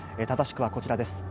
正しくはこちらです。